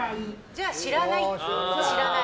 じゃあ知らない？